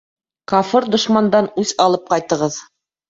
Кафыр дошмандан үс алып ҡайтығыҙ.